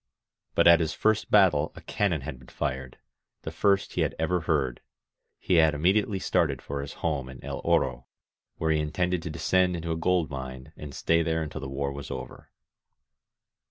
But at his first battle a cannon had been fired, the first he had ever heard; he had immediately started for his home in El Oro, where 14 URBINA'S COUNTRY he intended to descend into a gold mine and stay there until the war was over.